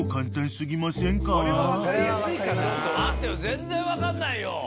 全然分かんないよ。